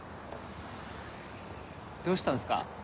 どうしたんすか？